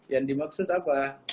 yang dimaksud apa